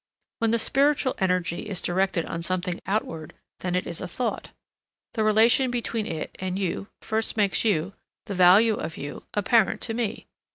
When the spiritual energy is directed on something outward, then it is a thought. The relation between it and you first makes you, the value of you, apparent to me.